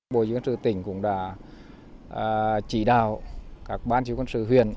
bộ chính quyền sự tỉnh cũng đã chỉ đào các ban chính quyền sự huyện